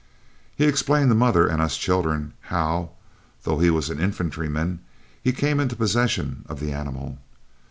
He explained to mother and us children how, though he was an infantryman, he came into possession of the animal.